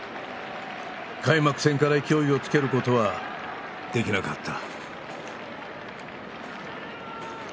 開幕戦から勢いをつけることはできなかった。